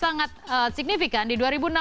sangat signifikan di dua ribu enam belas